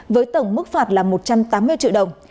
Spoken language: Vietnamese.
với tổng mức phạt là một trăm tám mươi triệu đồng